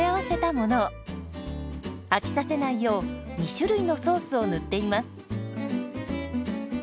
飽きさせないよう２種類のソースを塗っています。